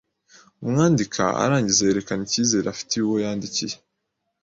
Uwandika arangiza yerekana ikizere afitiye uwo yandikiye